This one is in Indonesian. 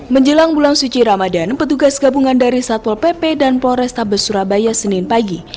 menjelang bulan suci ramadan petugas gabungan dari satpol pp dan polrestabes surabaya senin pagi